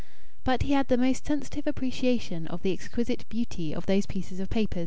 But he had the most sensitive appreciation of the exquisite beauty of those pieces of paper.